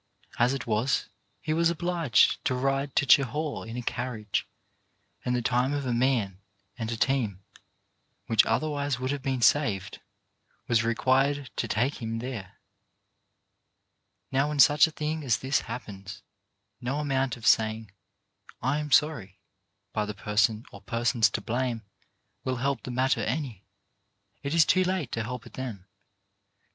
As it was, he was obliged to ride to Chehaw in a carriage, and the time of a man and team, which otherwise would have been saved, was required to take him there. 2o8 CHARACTER BUILDING Now when such a thing as this happens, no amount of saying, "I am sorry," by the person or persons to blame, will help the matter any. It is too late to help it then.